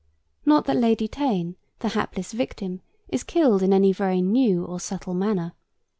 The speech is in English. Not that Lady Teigne, the hapless victim, is killed in any very new or subtle manner.